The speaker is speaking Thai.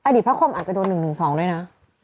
พระคมอาจจะโดน๑๑๒ด้วยนะ